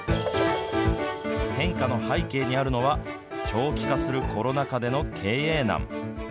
変化の背景にあるのは、長期化するコロナ禍での経営難。